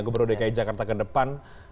gubernur dki jakarta ke depan